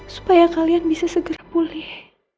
supaya kalian bisa segera pulih